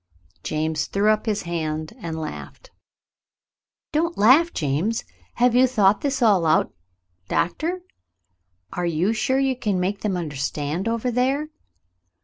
James threw up his hand and laughed. "Don't laugh, James. Have you thought this all out, Doctor ? Are you sure you can make them understand over there